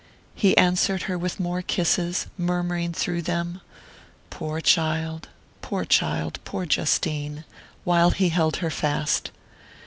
He answered her with more kisses, murmuring through them: "Poor child poor child poor Justine...." while he held her fast.